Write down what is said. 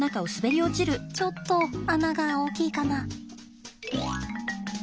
ちょっと穴が大きいかな？